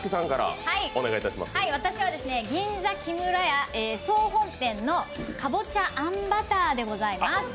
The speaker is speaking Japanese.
私は、銀座木村家総本店のかぼちゃあんバターでございます。